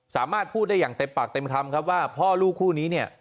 สามารถพูดได้อย่างเต็มปากเต็มคำครับว่าพ่อลูกคู่นี้เนี่ย